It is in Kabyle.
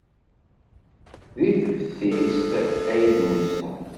Seg teftist ay d-nusa.